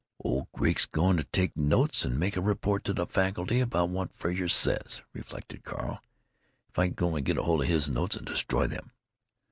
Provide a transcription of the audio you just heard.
"Old Greek 's going to take notes and make a report to the faculty about what Frazer says," reflected Carl. "If I could only get hold of his notes and destroy them!"